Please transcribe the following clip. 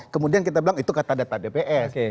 kemudian kita bilang itu kata data dps